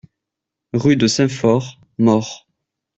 Rue de Saint-Fort, Morre